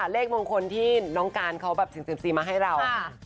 เลขมงคลที่น้องการเขาแบบถึง๑๔มาให้เรา